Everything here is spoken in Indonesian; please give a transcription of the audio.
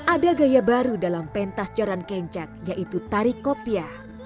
ada gaya baru dalam pentas jalan kencak yaitu tari kopiah